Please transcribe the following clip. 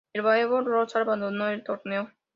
El Daewoo Royals abandonó el torneo.